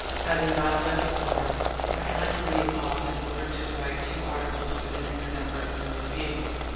Having got thus far, I had to leave off in order to write two articles for the next number of the Review.